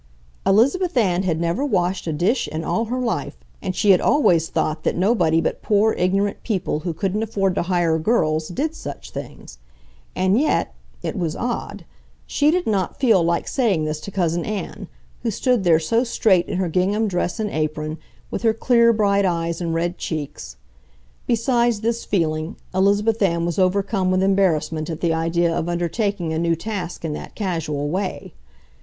Elizabeth Ann had never washed a dish in all her life, and she had always thought that nobody but poor, ignorant people, who couldn't afford to hire girls, did such things. And yet (it was odd) she did not feel like saying this to Cousin Ann, who stood there so straight in her gingham dress and apron, with her clear, bright eyes and red cheeks. Besides this feeling, Elizabeth Ann was overcome with embarrassment at the idea of undertaking a new task in that casual way.